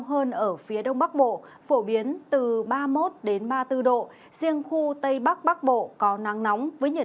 hơn ở phía đông bắc bộ phổ biến từ ba mươi một ba mươi bốn độ riêng khu tây bắc bắc bộ có nắng nóng với nhiệt